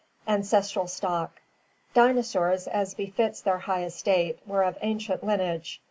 Ancestral Stock. — Dinosaurs, as befits their high estate, were of ancient lineage.